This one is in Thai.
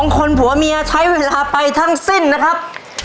คนผัวเมียใช้เวลาไปทั้งสิ้นนะครับ